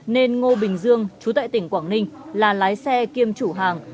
nên ngô bình dương chú tại tỉnh quảng ninh là lái xe kiêm chủ hàng